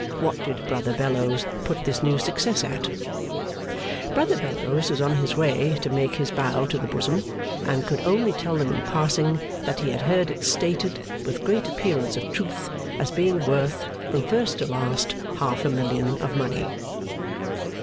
What did Brother Bellows put this new success at? Brother Bellows was on his way to make his bow to the bosom, and could only tell them in passing that he had heard it stated, with great appearance of truth, as being worth, from first to last, half a million of money.